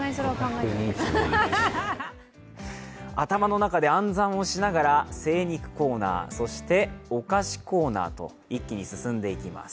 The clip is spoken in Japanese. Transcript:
頭の中で暗算をしながら精肉コーナーそしてお菓子コーナーと一気に進んでいきます。